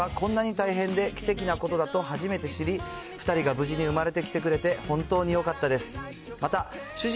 妊娠して無事に出産することがこんなに大変で、奇跡なことだと初めて知り、２人が無事に生まれてきてくれて本当によかったです。